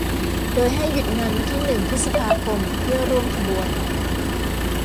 โดยให้หยุดงานวันที่หนึ่ง พฤษภาคม เพื่อร่วมขบวน